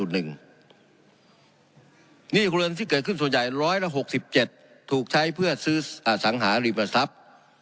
หนี้ครัวเรือนที่เกิดขึ้นส่วนใหญ่๑๖๗ถูกใช้เพื่อซื้อสังหาริมทรัพย์